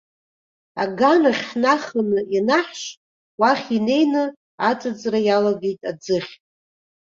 Аганахь ҳнаханы ианаҳж, уахь инеины аҵыҵра иалагеит аӡыхь.